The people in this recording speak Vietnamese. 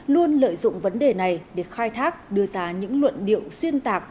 luôn lợi dụng vấn đề này để khai thác đưa ra những luận điệu xuyên tạc